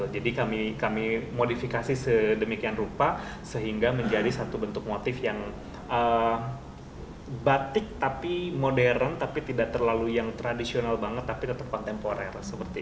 jadi kami modifikasi sedemikian rupa sehingga menjadi satu bentuk motif yang batik tapi modern tapi tidak terlalu yang tradisional banget tapi tetap kontemporer